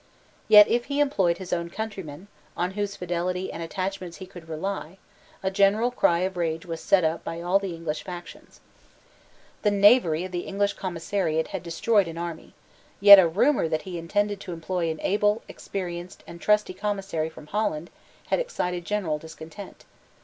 Yet if he employed his own countrymen, on whose fidelity and attachment he could rely, a general cry of rage was set up by all the English factions. The knavery of the English Commissariat had destroyed an army: yet a rumour that he intended to employ an able, experienced, and trusty Commissary from Holland had excited general discontent.